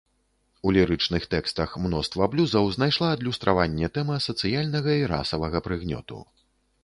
У лірычных тэкстах мноства блюзаў знайшла адлюстраванне тэма сацыяльнага і расавага прыгнёту.